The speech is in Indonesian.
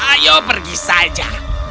ayo pergi saja